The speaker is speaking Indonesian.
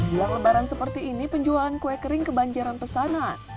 bila lebaran seperti ini penjualan kue kering kebanjaran pesanan